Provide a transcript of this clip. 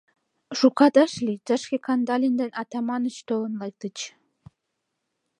Шукат ыш лий, тышке Кандалин ден Атаманыч толын лектыч.